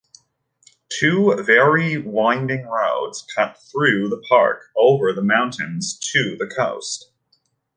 Two very winding roads cut through the park over the mountains to the coast.